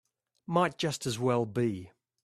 Might just as well be.